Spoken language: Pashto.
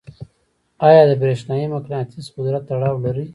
آیا د برېښنايي مقناطیس قدرت تړاو لري؟